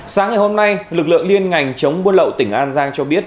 sáng ngày hôm nay lực lượng liên ngành chống buôn lậu tỉnh an giang cho biết